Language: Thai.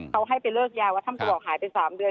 เขาให้ไปเลิกยาวัดถ้ำกระบอกหายไป๓เดือน